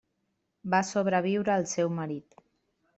Va sobreviure al seu marit.